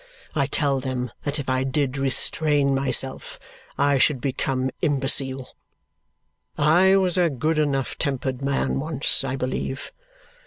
I tell them that if I did restrain myself I should become imbecile. I was a good enough tempered man once, I believe.